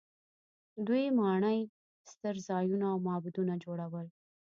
دوی ماڼۍ، ستر ځایونه او معبدونه جوړول.